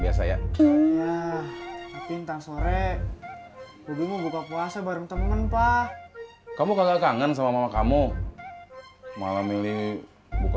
biasa ya tapi entah sore lebih buka puasa bareng temen pak kamu kagak kangen sama mama kamu malam ini buka